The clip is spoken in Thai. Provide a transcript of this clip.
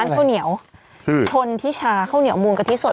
ข้าวเหนียวคือชนทิชาข้าวเหนียวมูลกะทิสด